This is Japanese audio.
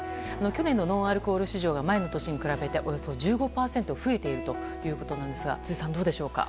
去年のノンアルコール市場は前の年に比べておよそ１５％増えているということですが辻さん、どうでしょうか？